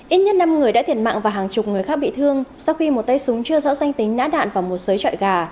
ít nhất năm người đã thiệt mạng và hàng chục người khác bị thương sau khi một tay súng chưa rõ danh tính nã đạn vào một sới chọi gà